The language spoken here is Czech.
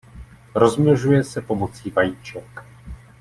Rozmnožuje se pomocí vajíček.